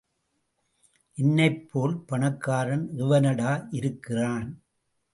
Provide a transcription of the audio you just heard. என்னைப்போல் பணக்காரன் எவனடா இருக்கிறான்?